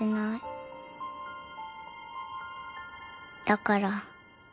だから。